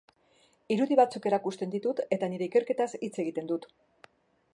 Irudi batzuk erakusten ditut eta nire ikerketaz hitz egiten dut.